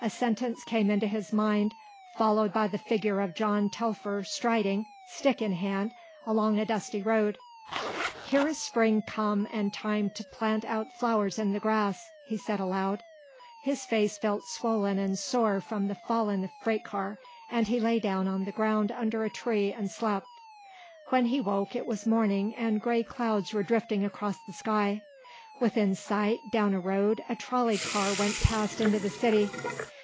A sentence came into his mind followed by the figure of John Telfer striding, stick in hand, along a dusty road. "Here is spring come and time to plant out flowers in the grass," he said aloud. His face felt swollen and sore from the fall in the freight car and he lay down on the ground under a tree and slept. When he woke it was morning and grey clouds were drifting across the sky. Within sight, down a road, a trolley car went past into the city.